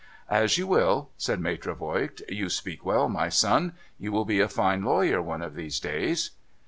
' As you will,' said Maitre Voigt. ' You speak well, my son. You will be a fine lawyer one of these days.'